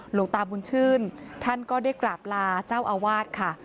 หลวงตาบุญชื่นท่านก็ได้กราบลาเจ้าอาวาสค่ะ